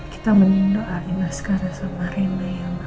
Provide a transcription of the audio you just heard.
kita mending doain askara sama rena ya ma